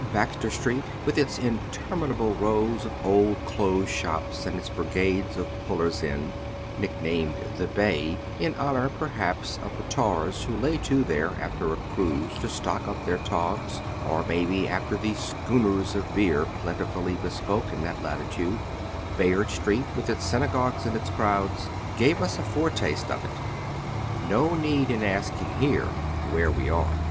Baxter Street, with its interminable rows of old clothes shops and its brigades of puUers iii — nicknamed " the Bay " in honor, perhaps, of the tars who lay to there after a cruise to stock up their togs, or maybe after the "schooners" of beer plentifully bespoke in that latitude — Bayard Street, with its synagogues and its crowds, gave us a foretaste of it. No need of asking here where we are.